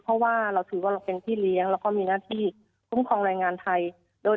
เพราะว่าเราถือว่าเราเป็นพี่เลี้ยงแล้วก็มีหน้าที่คุ้มครองแรงงานไทย